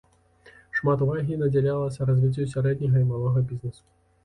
Шмат увагі надзялялася развіццю сярэдняга і малога бізнесу.